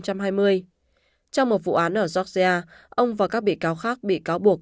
trong một vụ án ở georgia ông và các bị cáo khác bị cáo buộc